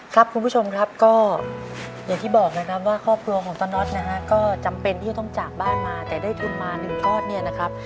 ครับคุณผู้ชมครับก็อย่างที่บอกนะครับว่าครอบครัวของตาน็อตนะฮะก็จำเป็นที่จะต้องจากบ้านมาแต่ได้ทุนมา๑ก้อนเนี่ยนะครับ